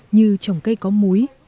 như trồng cây có muối